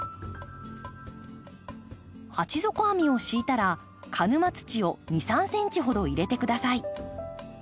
鉢底網を敷いたら鹿沼土を２３ｃｍほど入れて下さい。